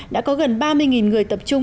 đã có gần ba mươi người tập trung